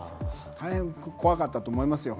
大変怖かったと思いますよ。